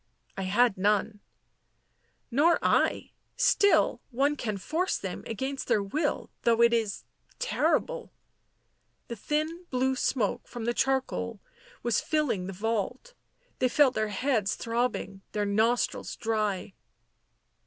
" I had none." "Nor I — still one can force them against their will — though it is — terrible." The thin blue smoke from the charcoal was filling the vault ; they felt their heads throbbing, their nostrils dry.